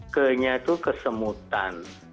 k nya itu kesemutan